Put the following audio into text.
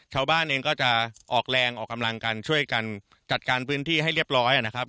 ชาวบ้านเองก็จะออกแรงออกกำลังกันช่วยกันจัดการพื้นที่ให้เรียบร้อยนะครับ